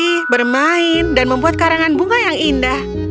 ini bermain dan membuat karangan bunga yang indah